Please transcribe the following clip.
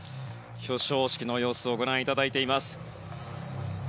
表彰式の様子をご覧いただいています。